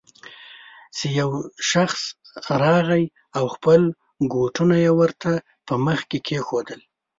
چې يو شخص راغی او خپل بوټونه يې ورته په مخ کې کېښودل.